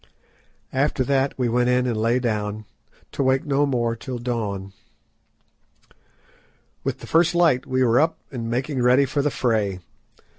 After that we went in and lay down, to wake no more till dawn. With the first light we were up and making ready for the fray.